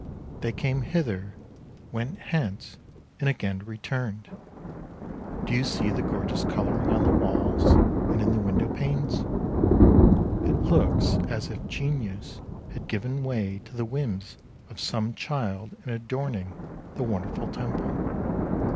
They came hither, went hence, and again returned. Do you see the gorgeous colouring on the walls and in the window panes? It looks as if genius had given way to the whims of some child in adorning the wonderful temple.